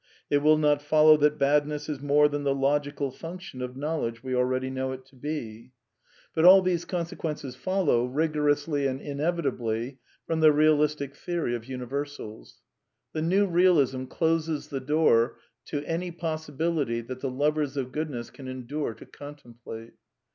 It will not follow that badness is more than the logical function of knowl edge we already know it to be. CONCLUSIONS 305 But all these consequences follow, rigorously and in evitably, from the realistic theory of universals. The New Realism closes the door to any possibility that the lovers of Goodness can endure to contemplate.